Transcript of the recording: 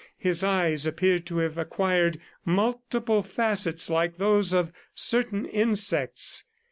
His eyes appeared to have acquired multiple facets like those of certain insects.